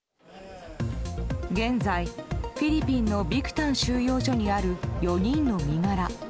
現在、フィリピンのビクタン収容所にある４人の身柄。